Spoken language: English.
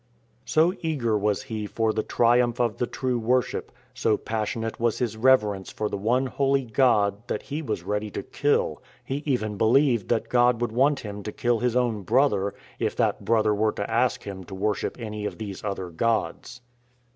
So eager was he for the triumph of " the true wor ship," so passionate was his reverence for the one Holy God, that he was ready to kill — he even believed that God would want him to kill his own brother, if that brother were to ask him to worship any of these other gods.